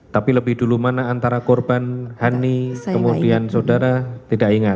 tapi lebih dulu mana antara korban hani kemudian saudara tidak ingat